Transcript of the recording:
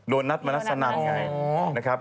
โดนัทมานักสนับไง